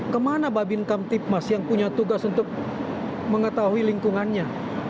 kemana babin kamtipmas yang punya tugas untuk mengetahui lingkungannya